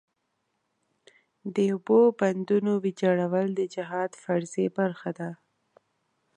د اوبو بندونو ویجاړول د جهاد فریضې برخه ده.